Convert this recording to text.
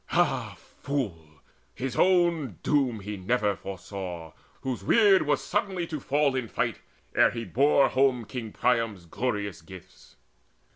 Ah fool! his own doom never he foresaw, Whose weird was suddenly to fall in fight Ere he bore home King Priam's glorious gifts.